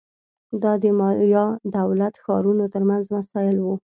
دا د مایا دولت ښارونو ترمنځ مسایل وو